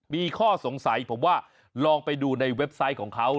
มีข้อสงสัยผมว่าลองไปดูในเว็บไซต์ของเขา